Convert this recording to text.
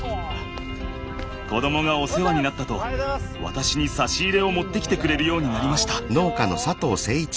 子供がお世話になったと私に差し入れを持ってきてくれるようになりました。